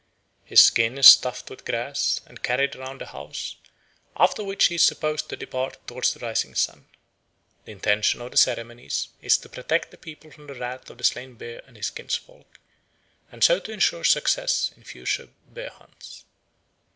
His skin is stuffed with grass and carried round the house, after which he is supposed to depart towards the rising sun. The intention of the ceremonies is to protect the people from the wrath of the slain bear and his kinsfolk, and so to ensure success in future bear hunts.